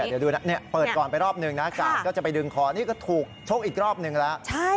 เดี๋ยวดูนะเปิดก่อนไปรอบนึงนะกาดก็จะไปดึงคอนี่ก็ถูกชกอีกรอบนึงแล้ว